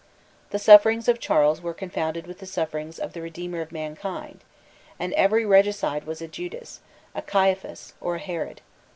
The sufferings of Charles were confounded with the sufferings of the Redeemer of mankind; and every regicide was a Judas, a Caiaphas or a Herod.